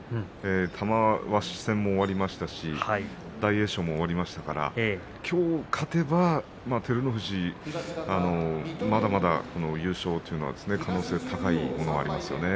玉鷲戦も終わりましたし大栄翔も終わりましたからきょう勝てば照ノ富士、まだまだ優勝の可能性は高いと思います。